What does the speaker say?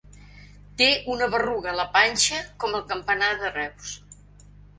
Té una berruga a la panxa com el campanar de Reus.